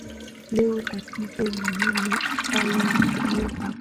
leo Tatizo ni hili hapa hii ndiyo sababu